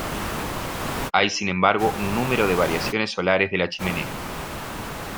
Hay sin embargo un número de variaciones solares de la chimenea.